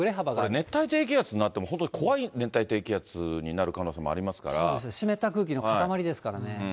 熱帯低気圧になっても、本当に怖い熱帯低気圧になる可能性も湿った空気の塊ですからね。